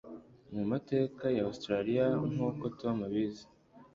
mumateka ya Australiya nkuko Tom abizi